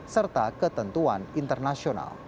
serta ketentuan internasional